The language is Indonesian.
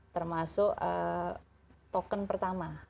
termasuk token pertama